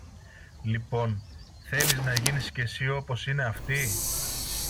Λοιπόν, θέλεις να γίνεις και συ όπως είναι αυτοί;